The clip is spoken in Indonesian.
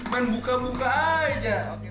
main buka buka aja